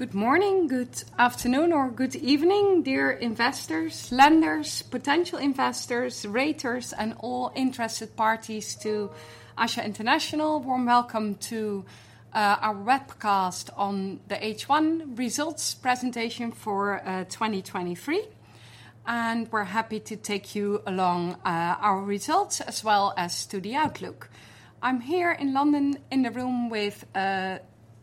Good morning, good afternoon, or good evening, dear investors, lenders, potential investors, raters, and all interested parties to ASA International. Warm welcome to our webcast on the H1 results presentation for 2023. We're happy to take you along our results as well as to the outlook. I'm here in London in the room with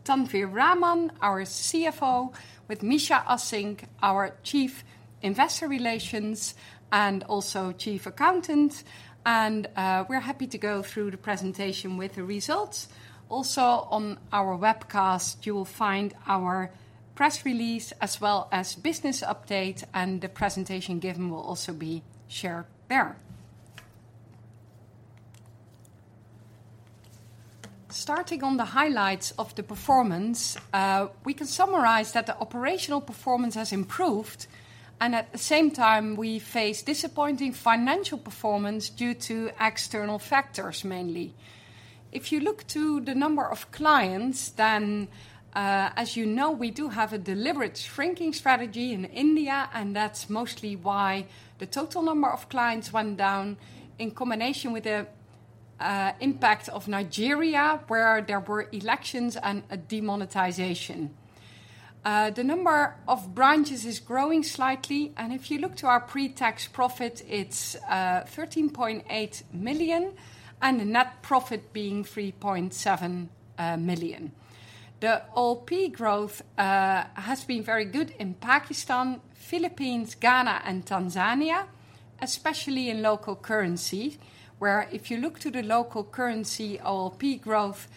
Tanwir Rahman, our CFO, with Mischa Assink, our Chief Investor Relations and also Chief Accountant, and we're happy to go through the presentation with the results. Also, on our webcast, you will find our press release as well as business update, and the presentation given will also be shared there. Starting on the highlights of the performance, we can summarize that the operational performance has improved, and at the same time, we face disappointing financial performance due to external factors, mainly. If you look to the number of clients, then, as you know, we do have a deliberate shrinking strategy in India, and that's mostly why the total number of clients went down in combination with the impact of Nigeria, where there were elections and a demonetization. The number of branches is growing slightly, and if you look to our pre-tax profit, it's $13.8 million, and the net profit being $3.7 million. The OLP growth has been very good in Pakistan, Philippines, Ghana, and Tanzania, especially in local currency, where if you look to the local currency, OLP growth,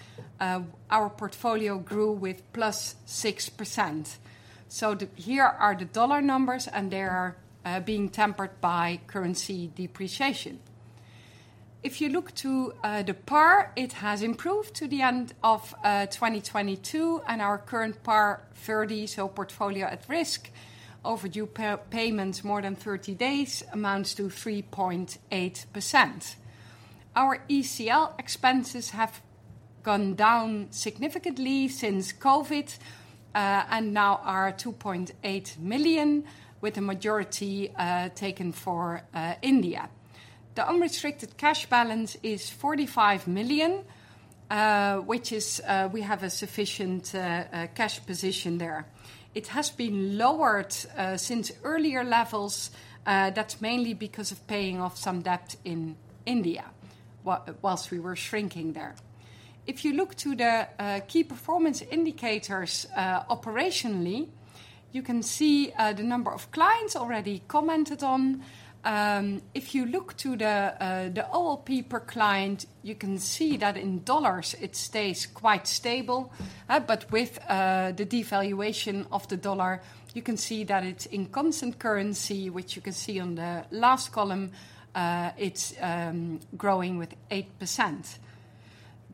our portfolio grew with +6%. So, here are the dollar numbers, and they are being tempered by currency depreciation. If you look to the PAR, it has improved to the end of 2022, and our current PAR 30, so portfolio at risk, overdue payments more than 30 days, amounts to 3.8%. Our ECL expenses have gone down significantly since COVID, and now are $2.8 million, with the majority taken for India. The unrestricted cash balance is $45 million, which is we have a sufficient cash position there. It has been lowered since earlier levels. That's mainly because of paying off some debt in India whilst we were shrinking there. If you look to the key performance indicators operationally, you can see the number of clients already commented on. If you look to the OLP per client, you can see that in dollars, it stays quite stable, but with the devaluation of the dollar, you can see that it's in constant currency, which you can see on the last column, it's growing with 8%.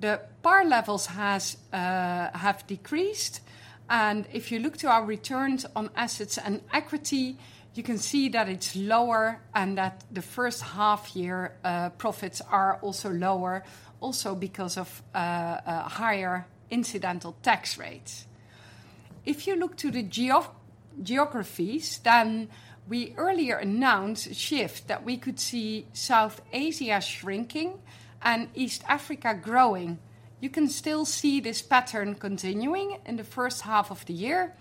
The PAR levels have decreased, and if you look to our returns on assets and equity, you can see that it's lower and that the first half year profits are also lower, also because of a higher incidental tax rates. If you look to the geographies, then we earlier announced a shift that we could see South Asia shrinking and East Africa growing. You can still see this pattern continuing in the first half of the year,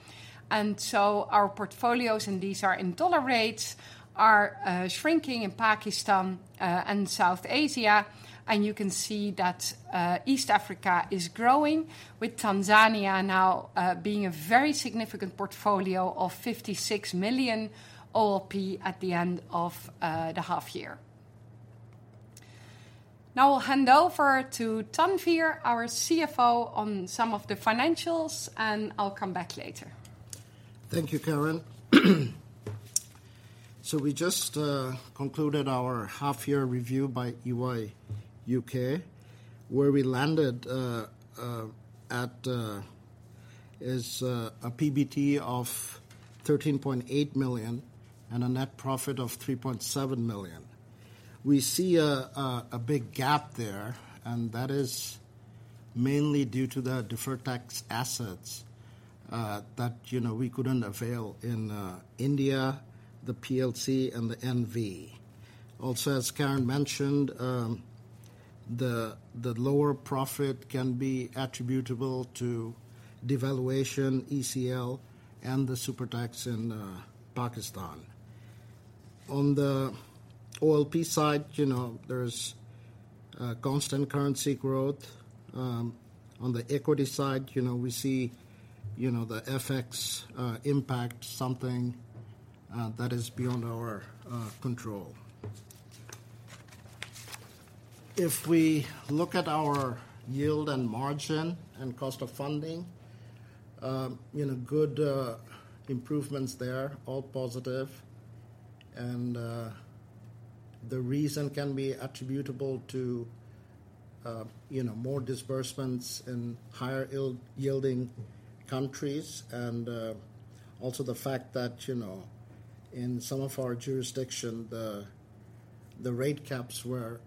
and so our portfolios, and these are in dollar rates, are shrinking in Pakistan, and South Asia. And you can see that, East Africa is growing, with Tanzania now, being a very significant portfolio of $56 million OLP at the end of, the half year. Now I'll hand over to Tanwir, our CFO, on some of the financials, and I'll come back later. Thank you, Karin. So we just concluded our half-year review by EY U.K., where we landed at a PBT of $13.8 million and a net profit of $3.7 million. We see a big gap there, and that is mainly due to the deferred tax assets that you know we couldn't avail in India, the PLC and the NV. Also, as Karin mentioned, the lower profit can be attributable to devaluation, ECL, and the Super Tax in Pakistan. On the OLP side, you know, there's constant currency growth. On the equity side, you know, we see you know the FX impact something that is beyond our control. If we look at our yield and margin and cost of funding, you know good improvements there, all positive. The reason can be attributable to, you know, more disbursements in higher-yielding countries and also the fact that, you know, in some of our jurisdiction, the rate caps were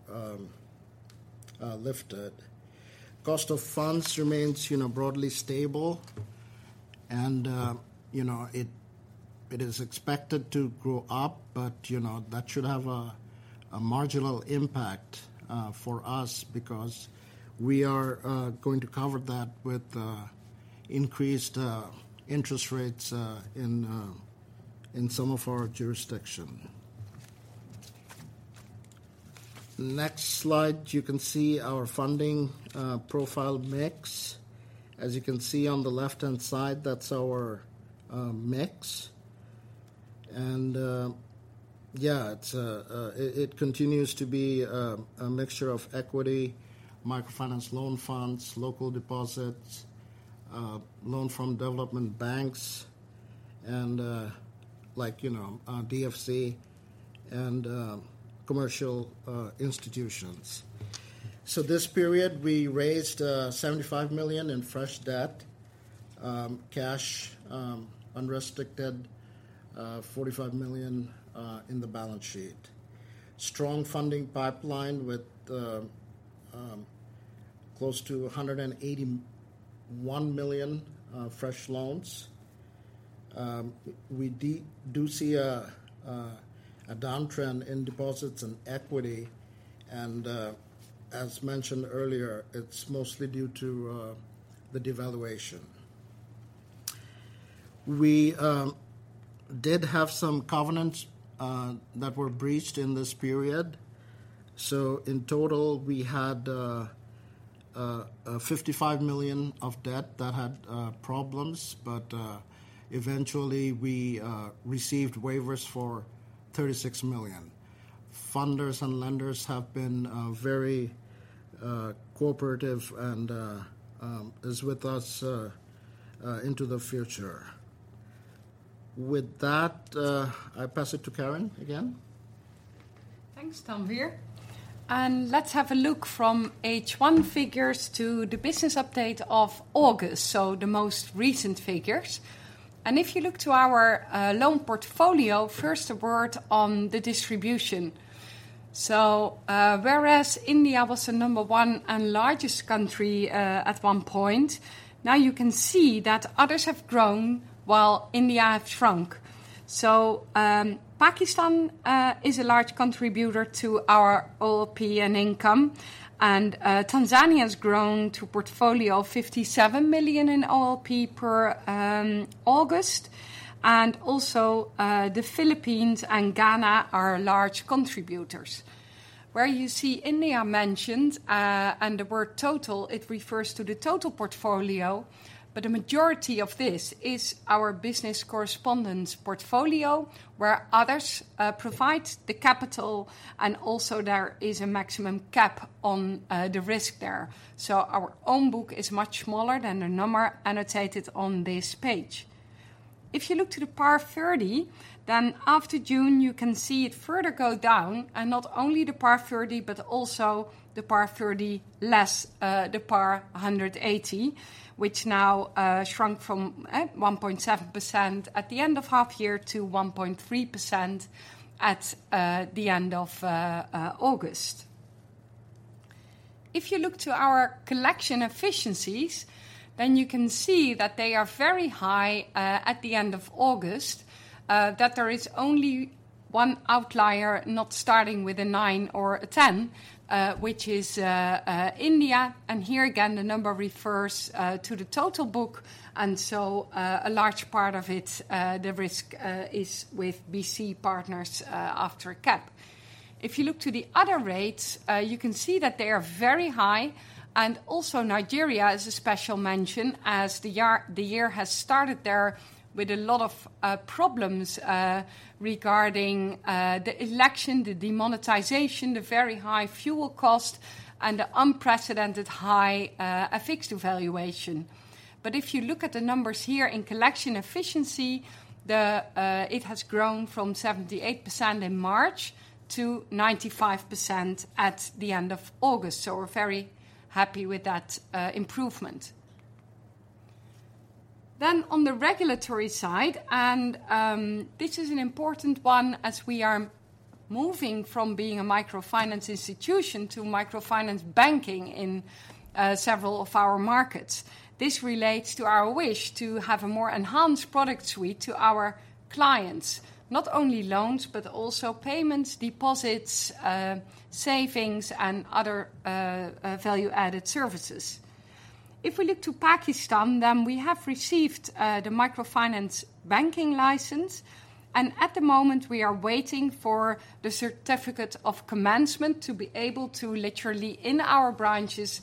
lifted. Cost of funds remains, you know, broadly stable and, you know, it is expected to grow up, but, you know, that should have a marginal impact for us because we are going to cover that with increased interest rates in some of our jurisdiction. Next slide, you can see our funding profile mix. As you can see on the left-hand side, that's our mix. Yeah, it's a mixture of equity, microfinance loan funds, local deposits, loan from development banks, and, like, you know, DFC and commercial institutions. So this period, we raised $75 million in fresh debt, cash, unrestricted, $45 million in the balance sheet. Strong funding pipeline with close to $181 million fresh loans. We do see a downtrend in deposits and equity, and, as mentioned earlier, it's mostly due to the devaluation. We did have some covenants that were breached in this period. So in total, we had $55 million of debt that had problems, but eventually we received waivers for $36 million. Funders and lenders have been very cooperative and is with us into the future. With that, I pass it to Karin again. Thanks, Tanwir. Let's have a look from H1 figures to the business update of August, so the most recent figures. If you look to our loan portfolio, first, a word on the distribution. Whereas India was the number one and largest country at one point, now you can see that others have grown while India have shrunk. Pakistan is a large contributor to our OLP and income, and Tanzania has grown to a portfolio of $57 million in OLP per August. Also, the Philippines and Ghana are large contributors. Where you see India mentioned and the word 'total,' it refers to the total portfolio, but a majority of this is our business correspondent portfolio, where others provide the capital, and also there is a maximum cap on the risk there. Our own book is much smaller than the number annotated on this page. If you look to the PAR 30, after June, you can see it further go down, and not only the PAR 30, but also the PAR 30 less the PAR 180, which now shrunk from 1.7% at the end of half year to 1.3% at the end of August. If you look to our collection efficiencies, you can see that they are very high at the end of August, that there is only one outlier not starting with a nine or a ten, which is India. Here again, the number refers to the total book, and so a large part of it, the risk is with BC partners after cap. If you look to the other rates, you can see that they are very high. Also, Nigeria is a special mention, as the year has started there with a lot of problems regarding the election, the demonetization, the very high fuel cost, and the unprecedented high FX devaluation. But if you look at the numbers here in collection efficiency, it has grown from 78% in March to 95% at the end of August, so we're very happy with that improvement. Then, on the regulatory side, this is an important one as we are moving from being a microfinance institution to microfinance banking in several of our markets. This relates to our wish to have a more enhanced product suite to our clients, not only loans, but also payments, deposits, savings, and other value-added services. If we look to Pakistan, then we have received the Microfinance Banking License, and at the moment, we are waiting for the certificate of commencement to be able to literally, in our branches,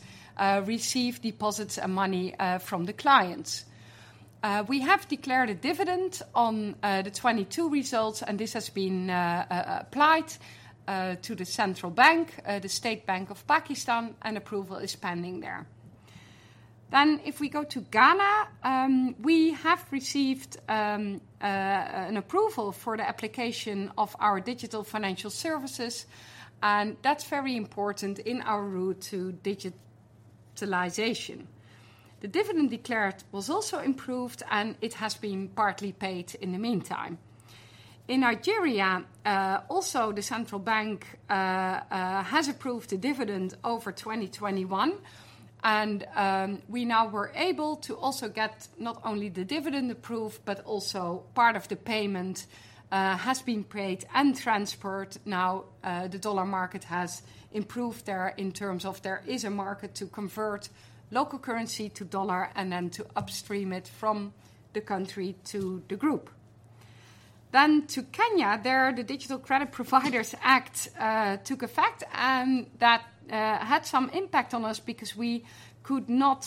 receive deposits and money from the clients. We have declared a dividend on the 2022 results, and this has been applied to the Central Bank, the State Bank of Pakistan, and approval is pending there. Then, if we go to Ghana, we have received an approval for the application of our digital financial services, and that's very important in our route to digitalization. The dividend declared was also improved, and it has been partly paid in the meantime. In Nigeria, also the Central Bank of Nigeria has approved the dividend over 2021, and we now were able to also get not only the dividend approved, but also part of the payment has been paid and transferred now. The dollar market has improved there in terms of there is a market to convert local currency to dollar and then to upstream it from the country to the group. To Kenya, the Digital Credit Providers Act took effect and that had some impact on us because we could not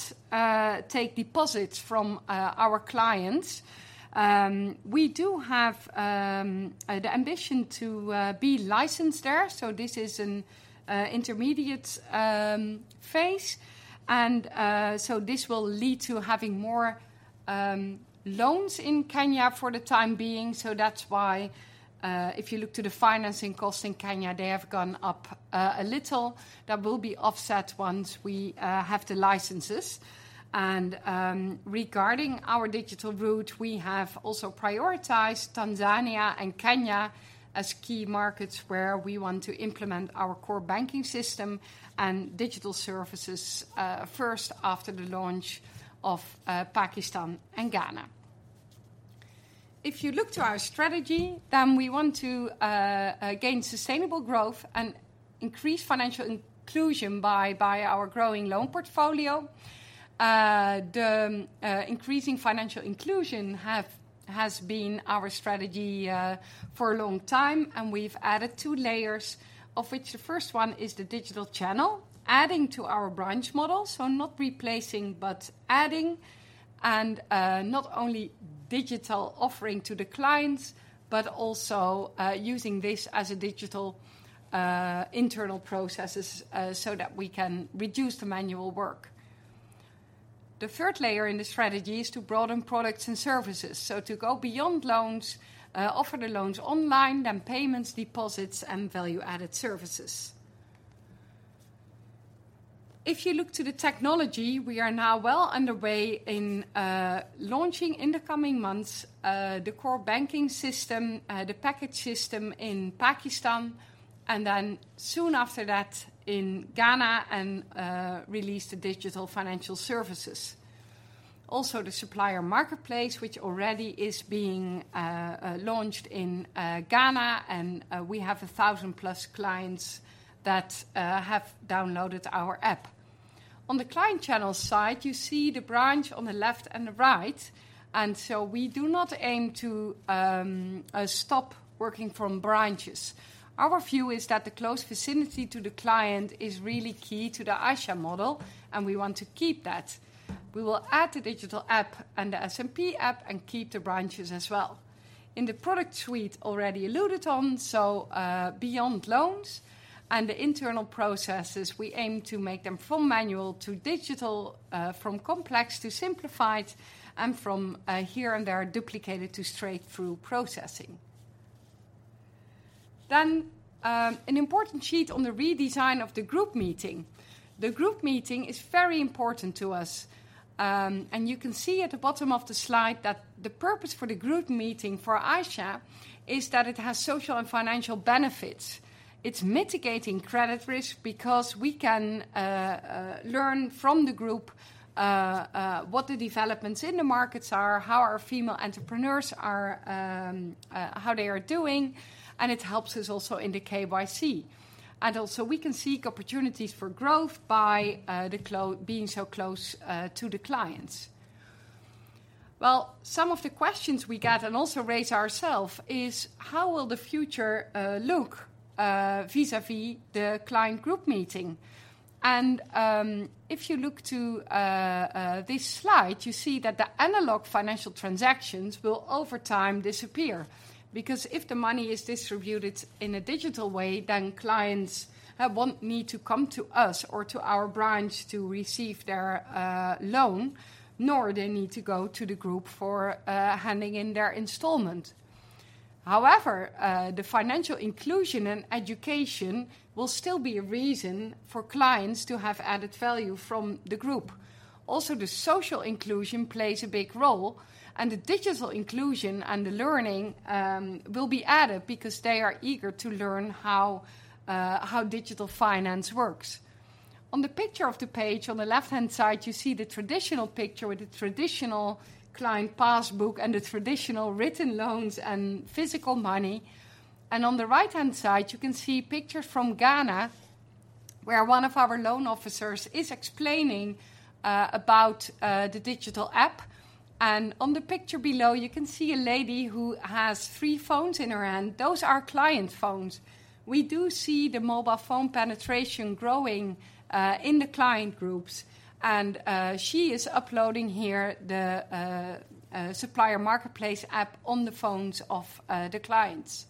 take deposits from our clients. We do have the ambition to be licensed there, so this is an intermediate phase, and this will lead to having more loans in Kenya for the time being. That's why, if you look to the financing costs in Kenya, they have gone up a little. That will be offset once we have the licenses. Regarding our digital route, we have also prioritized Tanzania and Kenya as key markets where we want to implement our Core Banking System and digital services first after the launch of Pakistan and Ghana. If you look to our strategy, then we want to gain sustainable growth and increase financial inclusion by our growing loan portfolio. The increasing financial inclusion has been our strategy for a long time, and we've added two layers, of which the first one is the digital channel, adding to our branch model, so not replacing, but adding, and not only digital offering to the clients, but also using this as a digital internal processes so that we can reduce the manual work. The third layer in the strategy is to broaden products and services. So to go beyond loans, offer the loans online, then payments, deposits, and value-added services. If you look to the technology, we are now well underway in launching in the coming months the Core Banking System, the package system in Pakistan, and then soon after that, in Ghana, and release the digital financial services. Also, the Supplier Marketplace, which already is being launched in Ghana, and we have 1,000+ clients that have downloaded our app. On the client channel side, you see the branch on the left and the right, and so we do not aim to stop working from branches. Our view is that the close vicinity to the client is really key to the ASA model, and we want to keep that. We will add the digital app and the SMP app and keep the branches as well. In the product suite already alluded on, beyond loans and the internal processes, we aim to make them from manual to digital, from complex to simplified, and from here and there, duplicated to straight-through processing. An important sheet on the redesign of the group meeting. The group meeting is very important to us, and you can see at the bottom of the slide that the purpose for the group meeting for ASA is that it has social and financial benefits. It's mitigating credit risk because we can learn from the group what the developments in the markets are, how our female entrepreneurs are, how they are doing, and it helps us also in the KYC. Also, we can seek opportunities for growth by being so close to the clients. Well, some of the questions we get and also raise ourself is: How will the future look vis-à-vis the client group meeting? And if you look to this slide, you see that the analog financial transactions will, over time, disappear. Because if the money is distributed in a digital way, then clients won't need to come to us or to our branch to receive their loan, nor they need to go to the group for handing in their installment. However, the financial inclusion and education will still be a reason for clients to have added value from the group. Also, the social inclusion plays a big role, and the digital inclusion and the learning will be added because they are eager to learn how digital finance works. On the picture of the page, on the left-hand side, you see the traditional picture with the traditional client passbook and the traditional written loans and physical money. On the right-hand side, you can see pictures from Ghana, where one of our loan officers is explaining about the digital app. On the picture below, you can see a lady who has three phones in her hand. Those are client phones. We do see the mobile phone penetration growing in the client groups, and she is uploading here the Supplier Marketplace app on the phones of the clients.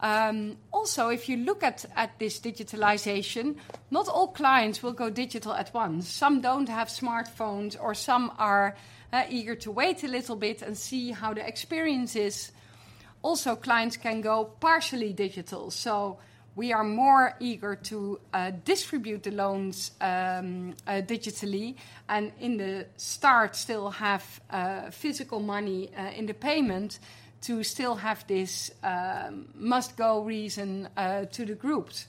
Also, if you look at this digitalization, not all clients will go digital at once. Some don't have smartphones or some are eager to wait a little bit and see how the experience is. Also, clients can go partially digital. We are more eager to distribute the loans digitally, and in the start, still have physical money in the payment to still have this must-go reason to the groups.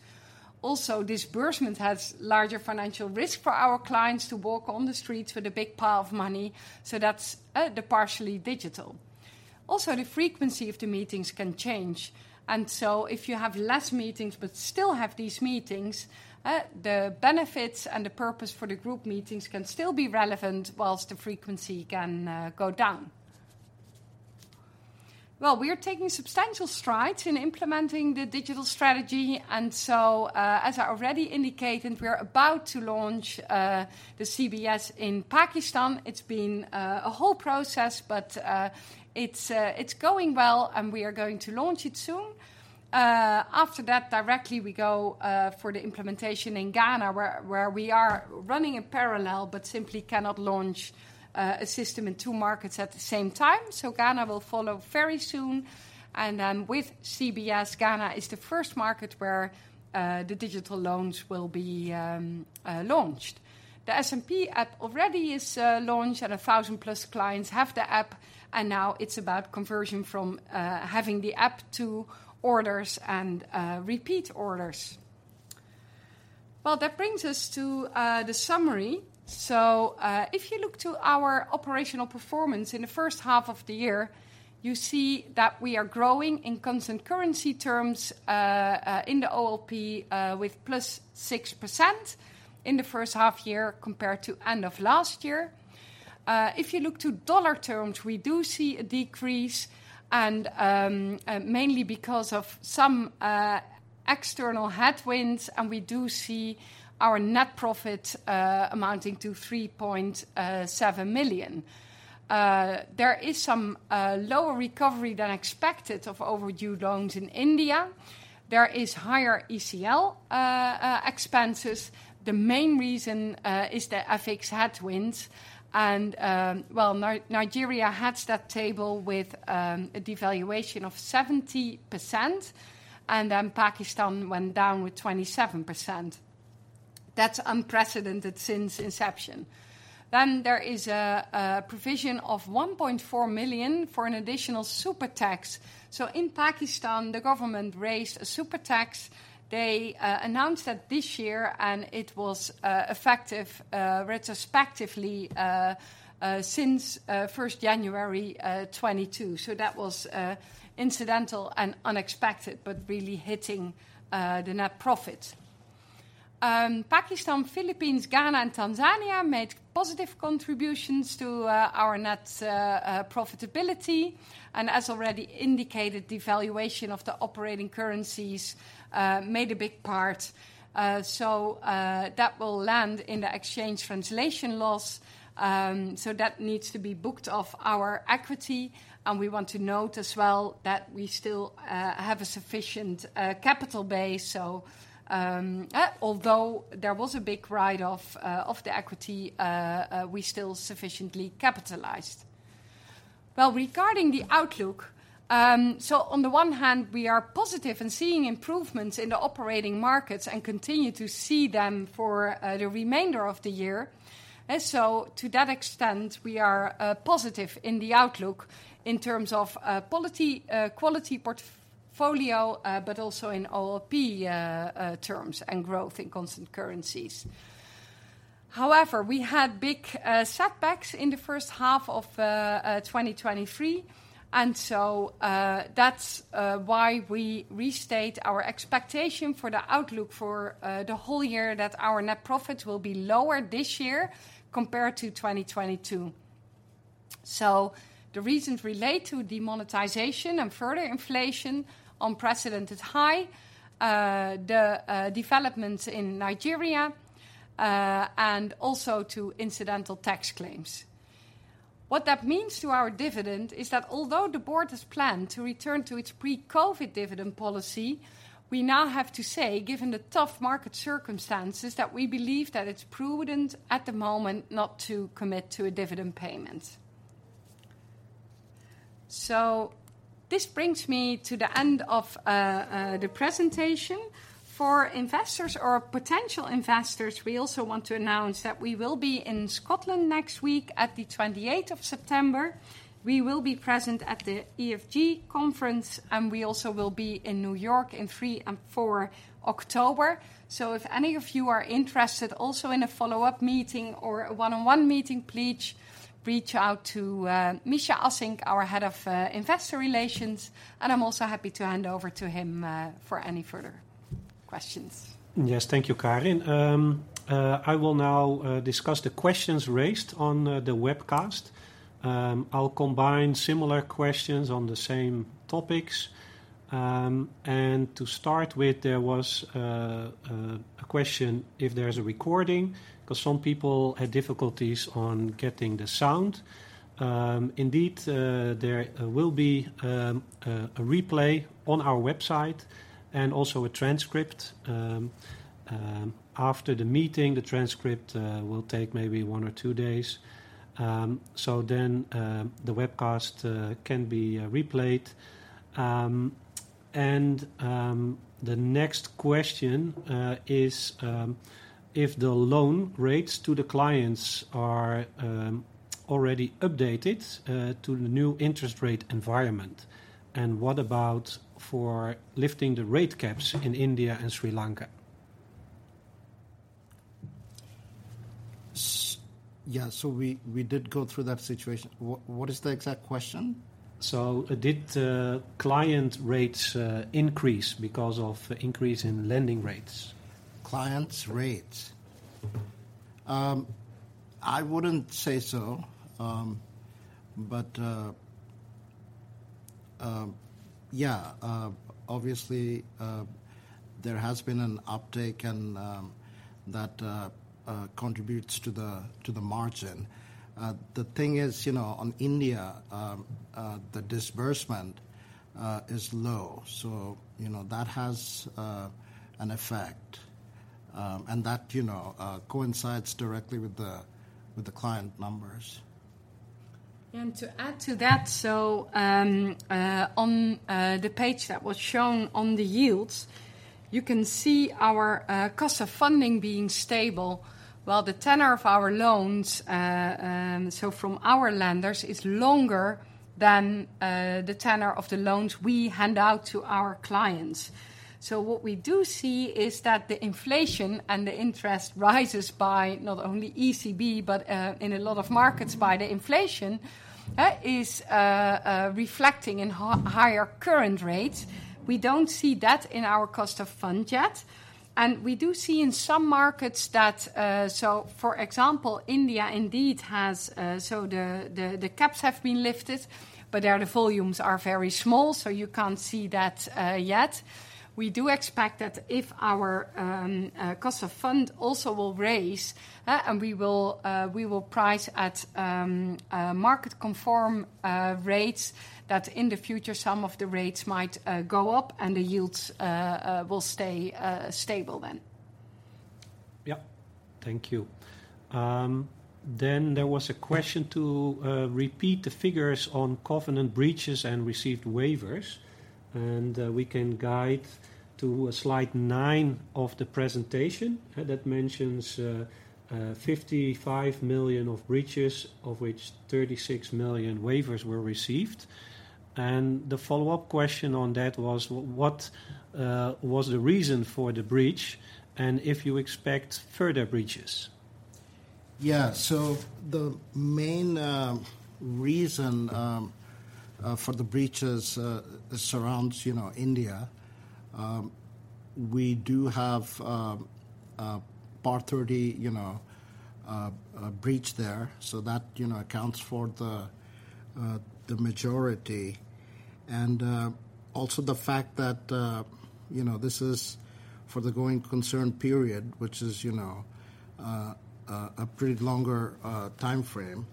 Also, disbursement has larger financial risk for our clients to walk on the streets with a big pile of money, so that's the partially digital. Also, the frequency of the meetings can change, and if you have less meetings but still have these meetings, the benefits and the purpose for the group meetings can still be relevant whilst the frequency can go down. Well, we are taking substantial strides in implementing the digital strategy, and as I already indicated, we are about to launch the CBS in Pakistan. It's been a whole process, but it's going well, and we are going to launch it soon. After that, directly we go for the implementation in Ghana, where we are running in parallel but simply cannot launch a system in two markets at the same time. So Ghana will follow very soon, and then with CBS, Ghana is the first market where the digital loans will be launched. The SMP App already is launched, and 1,000+ clients have the app, and now it's about conversion from having the app to orders and repeat orders. Well, that brings us to the summary. So, if you look to our operational performance in the first half of the year, you see that we are growing in constant currency terms, in the OLP, with +6% in the first half year compared to end of last year. If you look to dollar terms, we do see a decrease and, mainly because of some external headwinds, and we do see our net profit amounting to $3.7 million. There is some lower recovery than expected of overdue loans in India. There is higher ECL expenses. The main reason is the FX headwinds and, well, Nigeria hits that table with a devaluation of 70%, and then Pakistan went down with 27%. That's unprecedented since inception. There is a provision of $1.4 million for an additional Super Tax. In Pakistan, the government raised a Super Tax. They announced that this year, and it was effective retrospectively since January 2022. That was incidental and unexpected, but really hitting the net profit. Pakistan, Philippines, Ghana, and Tanzania made positive contributions to our net profitability. As already indicated, devaluation of the operating currencies made a big part. That will land in the exchange translation loss, so that needs to be booked off our equity. We want to note as well that we still have a sufficient capital base. Although there was a big write-off of the equity, we are still sufficiently capitalized. Well, regarding the outlook, so on the one hand, we are positive and seeing improvements in the operating markets and continue to see them for the remainder of the year. And so to that extent, we are positive in the outlook in terms of quality portfolio, but also in OLP terms and growth in constant currencies. However, we had big setbacks in the first half of 2023, and so that's why we restate our expectation for the outlook for the whole year, that our net profits will be lower this year compared to 2022. So the reasons relate to demonetization and further inflation, unprecedented high, the developments in Nigeria, and also to incidental tax claims. What that means to our dividend is that although the board has planned to return to its pre-COVID dividend policy, we now have to say, given the tough market circumstances, that we believe that it's prudent at the moment not to commit to a dividend payment. So this brings me to the end of the presentation. For investors or potential investors, we also want to announce that we will be in Scotland next week. At the 28 of September, we will be present at the EFG conference, and we also will be in New York in 3 and 4 October. So if any of you are interested also in a follow-up meeting or a one-on-one meeting, please reach out to Mischa Assink, our Head of Investor Relations, and I'm also happy to hand over to him for any further questions. Yes, thank you, Karin. I will now discuss the questions raised on the webcast. I'll combine similar questions on the same topics. And to start with, there was a question if there is a recording, 'cause some people had difficulties on getting the sound. Indeed, there will be a replay on our website and also a transcript. After the meeting, the transcript will take maybe one or two days, so then the webcast can be replayed. And the next question is if the loan rates to the clients are already updated to the new interest rate environment. And what about for lifting the rate caps in India and Sri Lanka? Yeah, so we did go through that situation. What is the exact question? Did client rates increase because of increase in lending rates? Clients' rates? I wouldn't say so. But yeah, obviously, there has been an uptick and that contributes to the margin. The thing is, you know, on India, the disbursement is low. So, you know, that has an effect, and that, you know, coincides directly with the client numbers. To add to that, on the page that was shown on the yields, you can see our cost of funding being stable while the tenor of our loans from our lenders is longer than the tenor of the loans we hand out to our clients. What we do see is that the inflation and the interest rises by not only ECB but in a lot of markets by the inflation is reflecting in higher current rates. We don't see that in our cost of fund yet, and we do see in some markets that, for example, India indeed has, the caps have been lifted, but there, the volumes are very small, so you can't see that yet. We do expect that if our cost of fund also will raise, and we will, we will price at market-conform rates, that in the future, some of the rates might go up and the yields will stay stable then. Yeah. Thank you. There was a question to repeat the figures on covenant breaches and received waivers, and we can guide to slide nine of the presentation. That mentions $55 million of breaches, of which $36 million waivers were received. The follow-up question on that was what was the reason for the breach, and if you expect further breaches? Yeah. The main reason for the breaches surrounds, you know, India. We do have a PAR 30, you know, breach there, so that, you know, accounts for the majority. Also the fact that, you know, this is for the going concern period, which is, you know, a pretty longer timeframe.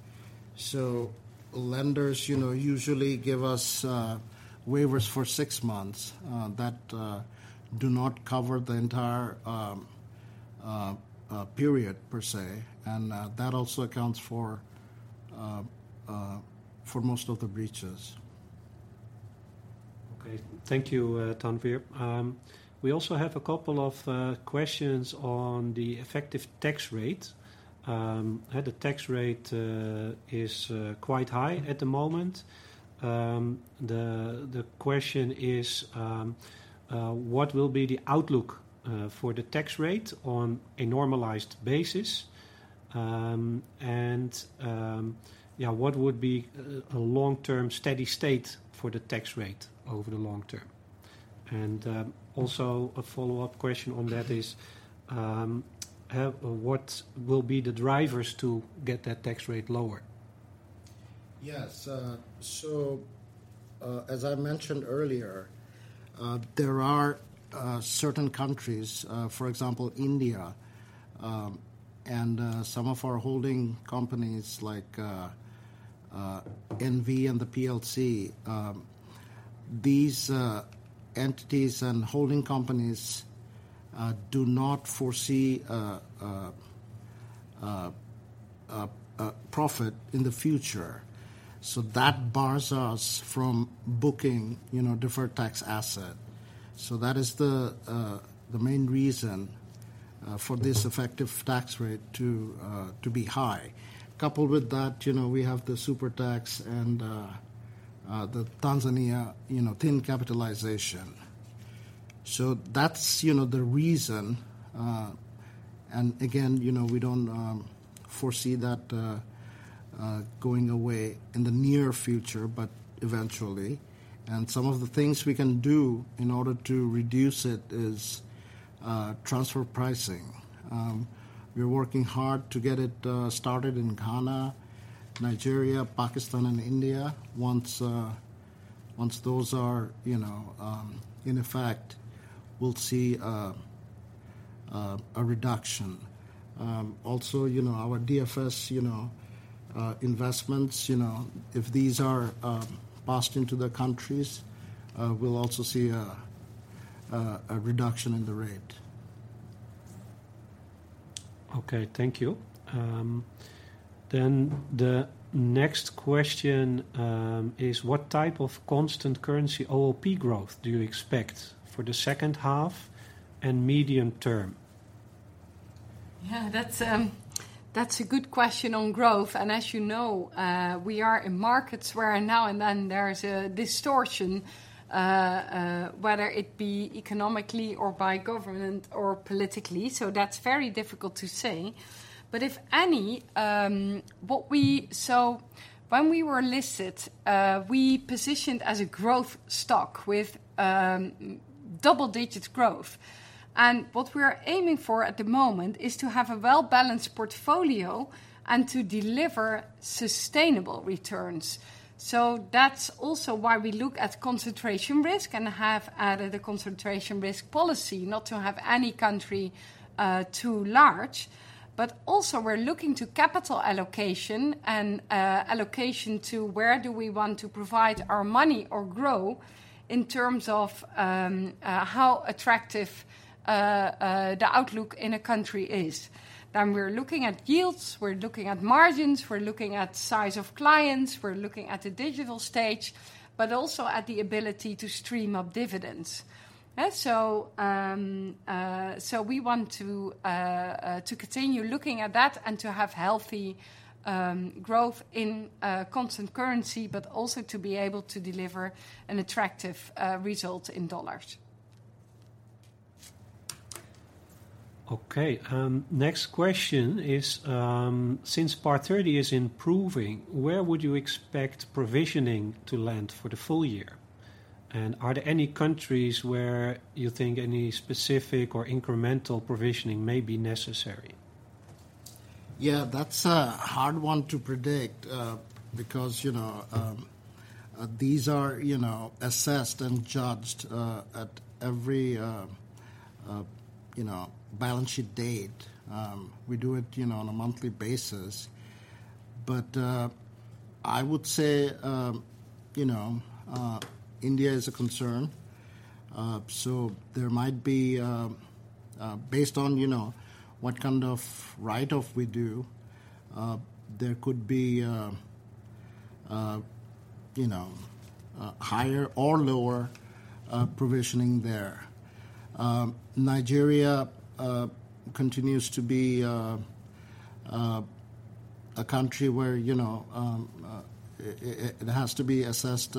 Lenders, you know, usually give us waivers for six months that do not cover the entire period per se, and that also accounts for most of the breaches. Okay. Thank you, Tanwir. We also have a couple of questions on the effective tax rate. The tax rate is quite high at the moment. The question is, what will be the outlook for the tax rate on a normalized basis? And, yeah, what would be a long-term steady state for the tax rate over the long term? And, also a follow-up question on that is, what will be the drivers to get that tax rate lower? Yes. So, as I mentioned earlier, there are certain countries, for example, India, and some of our holding companies like NV and the PLC, these entities and holding companies do not foresee a profit in the future. So that bars us from booking, you know, deferred tax asset. So that is the main reason for this effective tax rate to be high. Coupled with that, you know, we have the Super Tax and the Tanzania thin capitalization. So that's, you know, the reason. And again, you know, we don't foresee that going away in the near future, but eventually. And some of the things we can do in order to reduce it is transfer pricing. We're working hard to get it started in Ghana, Nigeria, Pakistan and India. Once those are, you know, in effect, we'll see a reduction. Also, you know, our DFS, you know, investments, you know, if these are passed into the countries, we'll also see a reduction in the rate.... Okay, thank you. Then the next question is what type of constant currency OLP growth do you expect for the second half and medium term? Yeah, that's a good question on growth. And as you know, we are in markets where now and then there is a distortion, whether it be economically or by government or politically, so that's very difficult to say. But if any, So when we were listed, we positioned as a growth stock with double-digit growth. And what we are aiming for at the moment is to have a well-balanced portfolio and to deliver sustainable returns. So that's also why we look at concentration risk and have added a concentration risk policy, not to have any country too large. But also, we're looking to capital allocation and allocation to where do we want to provide our money or grow in terms of how attractive the outlook in a country is. We're looking at yields, we're looking at margins, we're looking at size of clients, we're looking at the digital stage, but also at the ability to stream up dividends. We want to continue looking at that and to have healthy growth in constant currency, but also to be able to deliver an attractive result in dollars. Okay, next question is: Since PAR 30 is improving, where would you expect provisioning to land for the full year? And are there any countries where you think any specific or incremental provisioning may be necessary? Yeah, that's a hard one to predict because, you know, these are, you know, assessed and judged at every, you know, balance sheet date. We do it, you know, on a monthly basis. I would say, you know, India is a concern. There might be, you know, based on, you know, what kind of write-off we do, there could be, you know, higher or lower provisioning there. Nigeria continues to be a country where, you know, it has to be assessed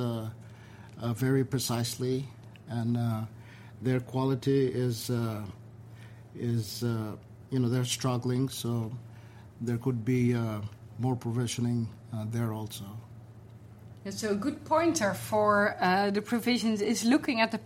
very precisely, and their quality is, you know, they're struggling, so there could be more provisioning there also. So a good pointer for the provisions is looking at the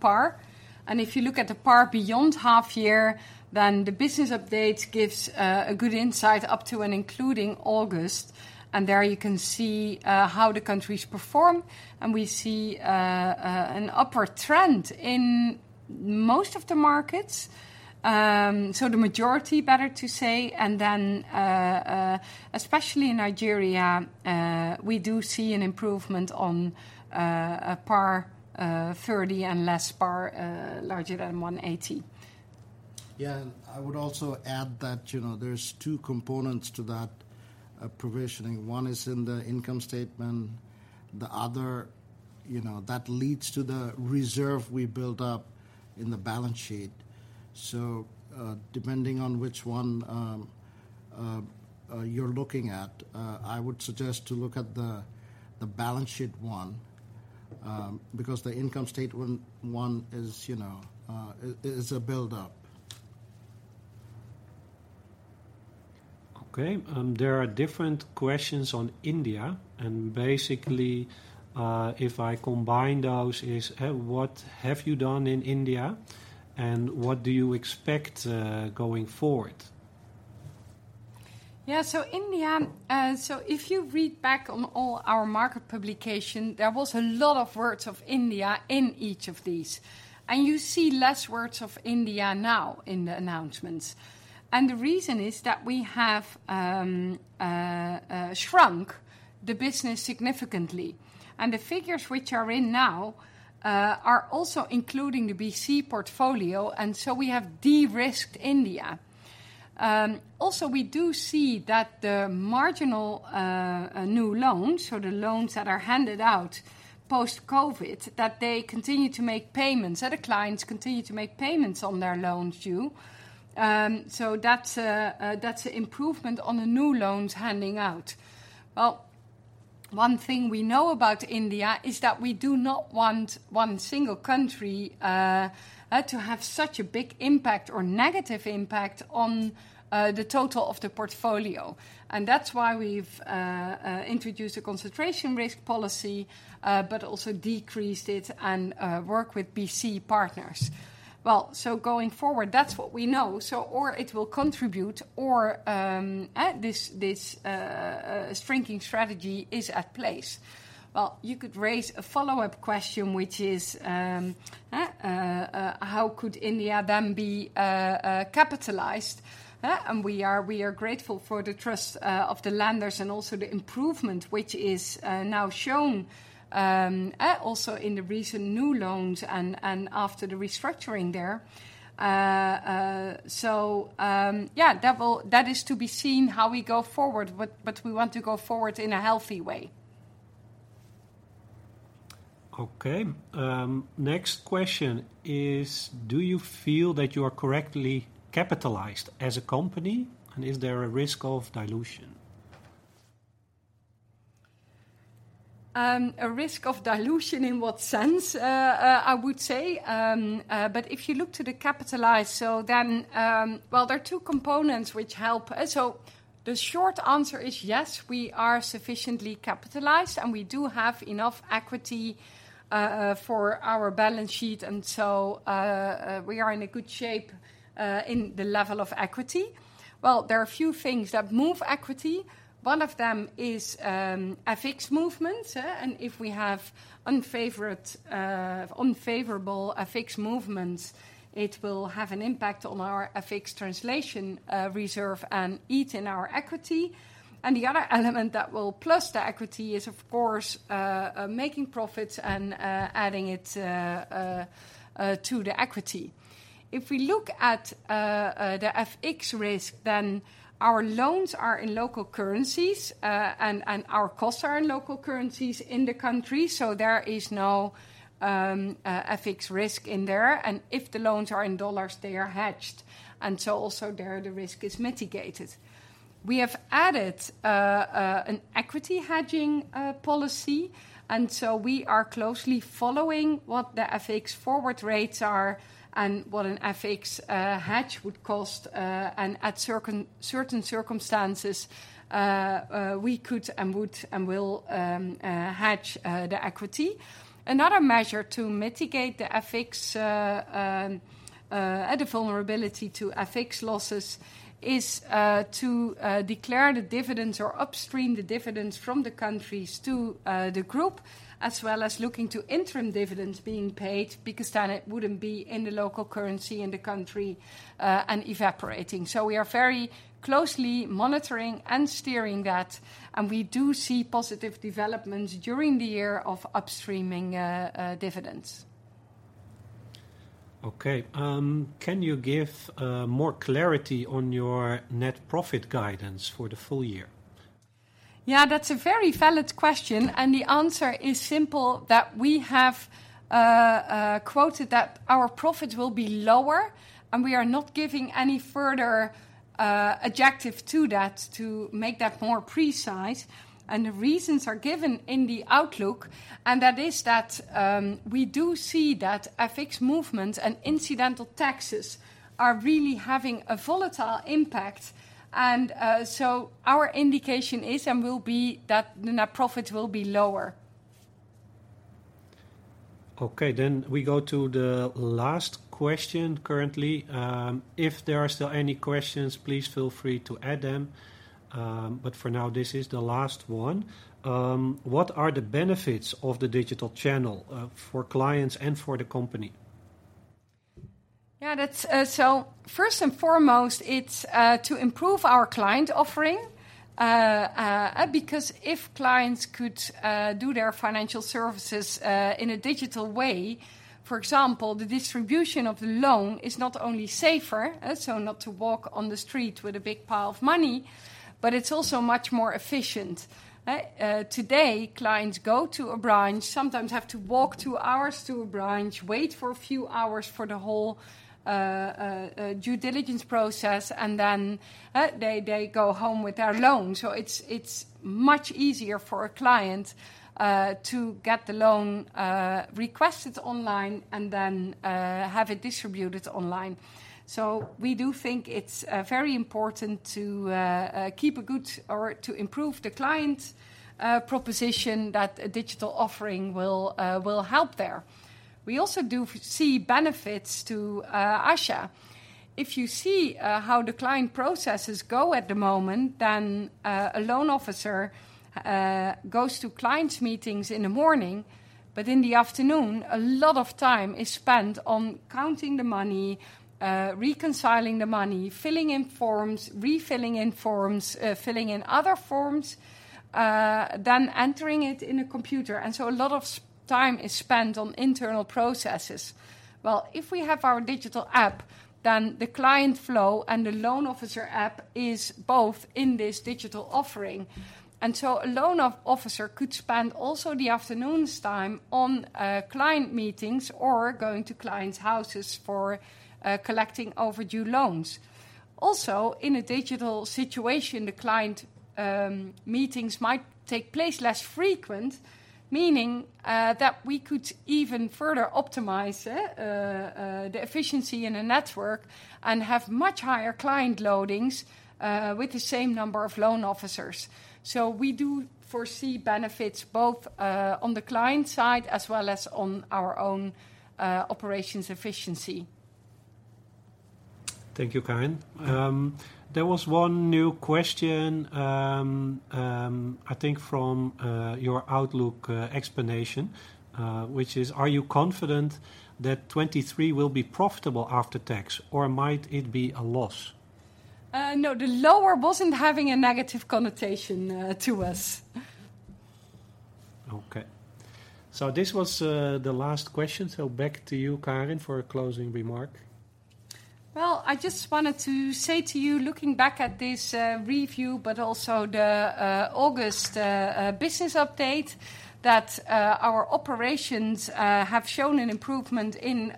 PAR. If you look at the PAR beyond half year, then the business update gives a good insight up to and including August. There you can see how the countries perform, and we see an upward trend in most of the markets. So the majority, better to say, and then especially in Nigeria we do see an improvement on a PAR 30 and less PAR larger than 180. Yeah, and I would also add that, you know, there's two components to that provisioning. One is in the income statement, the other, you know, that leads to the reserve we built up in the balance sheet. So, depending on which one you're looking at, I would suggest to look at the balance sheet one, because the income statement one is, you know, is a build up. Okay, there are different questions on India, and basically, if I combine those, what have you done in India, and what do you expect going forward? Yeah, so India, so if you read back on all our market publication, there was a lot of words of India in each of these, and you see less words of India now in the announcements. And the reason is that we have shrunk the business significantly, and the figures which are in now are also including the BC portfolio, and so we have de-risked India. Also, we do see that the marginal new loans, so the loans that are handed out post-COVID, that they continue to make payments, that the clients continue to make payments on their loans due. So that's a, that's an improvement on the new loans handing out. Well, one thing we know about India is that we do not want one single country to have such a big impact or negative impact on the total of the portfolio. And that's why we've introduced a concentration risk policy, but also decreased it and work with BC partners. Well, so going forward, that's what we know. So... or it will contribute or this shrinking strategy is at place. Well, you could raise a follow-up question, which is how could India then be capitalized, eh? And we are grateful for the trust of the lenders and also the improvement, which is now shown also in the recent new loans and after the restructuring there. Yeah, that will- that is to be seen how we go forward, but we want to go forward in a healthy way.... Okay, next question is: do you feel that you are correctly capitalized as a company, and is there a risk of dilution? A risk of dilution in what sense? I would say, but if you look to the capitalized, so then, well, there are two components which help. So the short answer is, yes, we are sufficiently capitalized, and we do have enough equity for our balance sheet, and so, we are in a good shape in the level of equity. Well, there are a few things that move equity. One of them is a FX movement, and if we have unfavorable FX movements, it will have an impact on our FX translation reserve and eat in our equity. And the other element that will plus the equity is, of course, making profits and adding it to the equity. If we look at the FX risk, then our loans are in local currencies, and our costs are in local currencies in the country, so there is no FX risk in there. And if the loans are in dollars, they are hedged, and so also there, the risk is mitigated. We have added an equity hedging policy, and so we are closely following what the FX forward rates are and what an FX hedge would cost. And at certain circumstances, we could and would and will hedge the equity. Another measure to mitigate the FX vulnerability to FX losses is to declare the dividends or upstream the dividends from the countries to the group, as well as looking to interim dividends being paid, because then it wouldn't be in the local currency in the country and evaporating. We are very closely monitoring and steering that, and we do see positive developments during the year of upstreaming dividends. Okay, can you give more clarity on your net profit guidance for the full year? Yeah, that's a very valid question, and the answer is simple, that we have quoted that our profits will be lower, and we are not giving any further objective to that to make that more precise. And the reasons are given in the outlook, and that is that we do see that FX movements and incidental taxes are really having a volatile impact. And so our indication is and will be that the net profit will be lower. Okay, we go to the last question currently. If there are still any questions, please feel free to add them. For now, this is the last one. What are the benefits of the digital channel for clients and for the company? Yeah, that's... So first and foremost, it's to improve our client offering. Because if clients could do their financial services in a digital way, for example, the distribution of the loan is not only safer, so not to walk on the street with a big pile of money, but it's also much more efficient. Today, clients go to a branch, sometimes have to walk two hours to a branch, wait for a few hours for the whole due diligence process, and then, they, they go home with their loan. So it's, it's much easier for a client to get the loan requested online and then have it distributed online. So we do think it's very important to keep a good or to improve the client proposition that a digital offering will help there. We also do see benefits to ASA. If you see how the client processes go at the moment, then a loan officer goes to client meetings in the morning, but in the afternoon, a lot of time is spent on counting the money, reconciling the money, filling in forms, refilling in forms, filling in other forms, then entering it in a computer. And so a lot of time is spent on internal processes. Well, if we have our digital app, then the client flow and the loan officer app is both in this digital offering. And so a loan officer could spend also the afternoon time on client meetings or going to clients' houses for collecting overdue loans. Also, in a digital situation, the client meetings might take place less frequent, meaning that we could even further optimize the efficiency in a network and have much higher client loadings with the same number of loan officers. So we do foresee benefits both on the client side, as well as on our own operations efficiency. Thank you, Karin. There was one new question, I think from your outlook explanation, which is: Are you confident that 2023 will be profitable after tax, or might it be a loss? No, the lower wasn't having a negative connotation to us. Okay, so this was the last question. Back to you, Karin, for a closing remark. Well, I just wanted to say to you, looking back at this review, but also the August business update, that our operations have shown an improvement in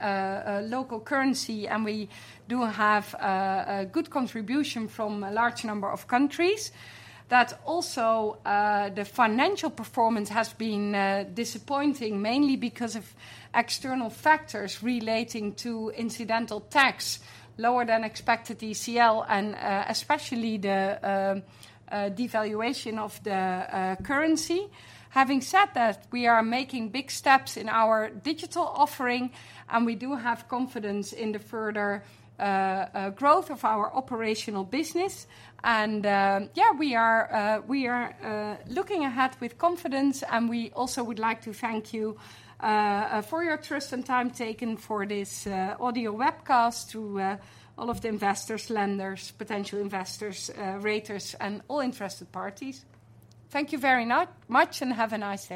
local currency, and we do have a good contribution from a large number of countries. That also, the financial performance has been disappointing, mainly because of external factors relating to incidental tax, lower than expected ECL, and especially the devaluation of the currency. Having said that, we are making big steps in our digital offering, and we do have confidence in the further growth of our operational business. And we are looking ahead with confidence, and we also would like to thank you for your trust and time taken for this audio webcast to all of the investors, lenders, potential investors, raters, and all interested parties. Thank you very much, and have a nice day.